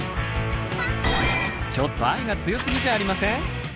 ちょっと愛が強すぎじゃありません？